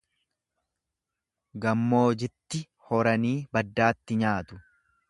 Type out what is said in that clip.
Gammoojitti horanii, baddaatti nyaatu.